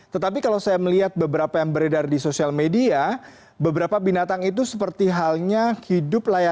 tetapi kalau saya melihat beberapa yang beredar di sosial media beberapa binatang itu seperti halnya hidup layak